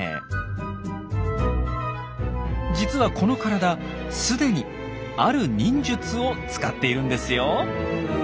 実はこの体既にある忍術を使っているんですよ。